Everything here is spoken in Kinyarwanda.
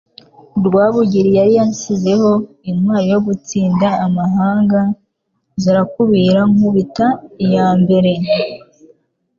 Rwabugiri yari yansizeho intwali yo gutsinda amahanga, zirakubira nku bita iy'imbere,